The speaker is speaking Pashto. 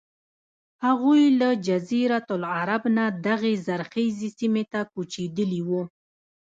هغوی له جزیرة العرب نه دغې زرخیزې سیمې ته کوچېدلي وو.